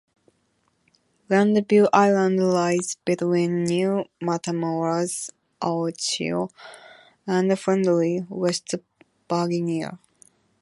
Grandview Island lies between New Matamoras, Ohio and Friendly, West Virginia.